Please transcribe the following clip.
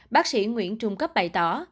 bác sĩ nguyễn trung cấp bày tỏ